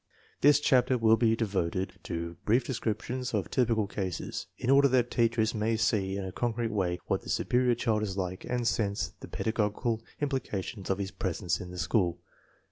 This chapter will be devoted to brief descriptions of typical cases, in order that teachers may see in a concrete way what the superior child is like and sense the pedagogical implications of his presence in the school.